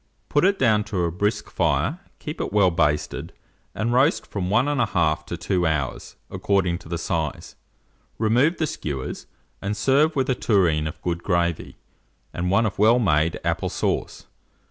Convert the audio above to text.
Put it down to a brisk fire, keep it well basted, and roast from 1 1/2 to 2 hours, according to the size. Remove the skewers, and serve with a tureen of good gravy, and one of well made apple sauce.